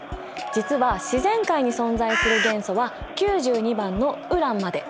実は自然界に存在する元素は９２番のウランまで。